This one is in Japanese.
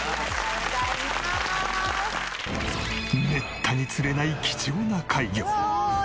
めったに釣れない貴重な怪魚。